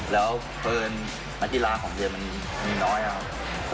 แล้วเพลินนักกีฬาของเรียนมันมีน้อยนะครับ